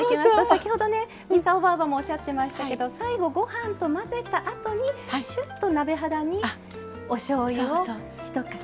先ほど、操ばぁばもおっしゃってましたけど最後、ご飯と混ぜたあとにしゅっと鍋肌におしょうゆをひとかけ。